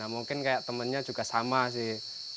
mungkin temannya juga sama sih